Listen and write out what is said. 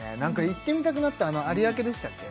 行ってみたくなった有明でしたっけ？